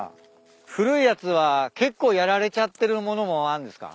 古いやつは結構やられちゃってる物もあんですか？